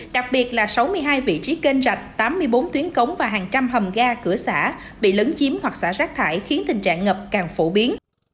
đặc biệt là sáu mươi hai vị trí kênh rạch tám mươi bốn tuyến cống và hàng trăm hầm ga cửa xã bị lấn chiếm hoặc xả rác thải khiến tình trạng ngập càng phổ biến